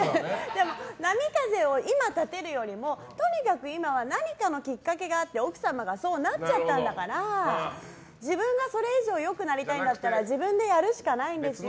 でも波風を今、立てるよりもとにかく今は何かのきっかけがあって奥様がそうなっちゃったんだから自分がそれ以上良くなりたいんだったら自分でやるしかないんですよ。